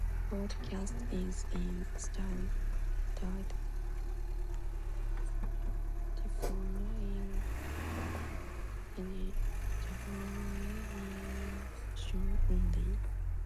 Broadcast is in standard definition only.